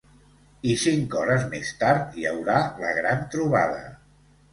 I cinc hores més tard hi haurà la gran trobada.